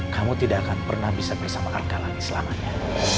kamu tidak akan pernah bisa bersama arka lagi selamanya